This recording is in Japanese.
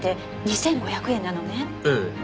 ええ。